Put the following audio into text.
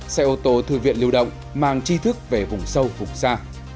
xe ô tô thư viện lưu động mang chi thức về vùng sâu vùng xa